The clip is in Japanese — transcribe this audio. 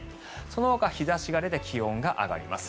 そのほか日差しが出て気温が上がります。